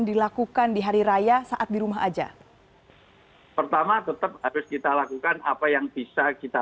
dilakukan di hari raya saat di rumah aja pertama tetap harus kita lakukan apa yang bisa kita